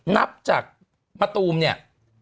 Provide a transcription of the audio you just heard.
นับจากมะตูมเนี่ย